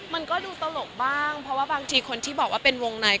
มันก็ดูตลกบ้างเพราะว่าบางทีคนที่บอกว่าเป็นวงใน